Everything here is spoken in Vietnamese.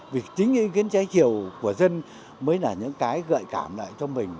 vì chính ý kiến trái chiều của dân mới là những cái gợi cảm lại cho mình